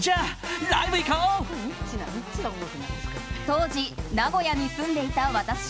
当時、名古屋に住んでいた私。